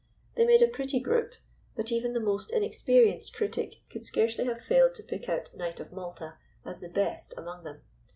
They made a pretty group; but even the most inexperienced critic could scarcely have failed to pick out Knight of Malta as the best among them.